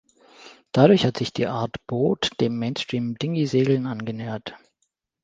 Dadurch hat sich diese Art Boot dem Mainstream-Dingisegeln angenähert.